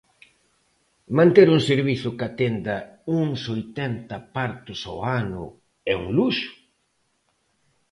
Manter un servizo que atenda uns oitenta partos ao ano é un luxo?